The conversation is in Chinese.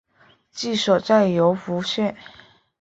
治所在柔服县。